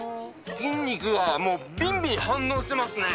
筋肉がもうビンビン反応してますね！